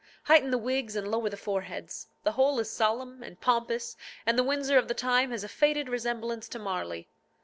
Heighten the wigs and lower the foreheads. The whole is solemn and pompous, and the Windsor of the time has a faded resemblance to Marly.